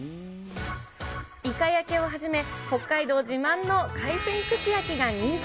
イカ焼きをはじめ、北海道自慢の海鮮串焼きが人気。